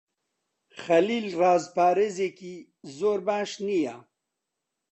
خەلیل ڕازپارێزێکی زۆر باش نییە.